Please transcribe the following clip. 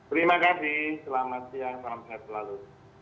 terima kasih selamat siang selamat siang selalu